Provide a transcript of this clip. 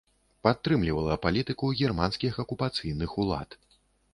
Падтрымлівала палітыку германскіх акупацыйных улад.